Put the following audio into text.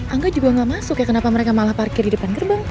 angka juga nggak masuk ya kenapa mereka malah parkir di depan gerbang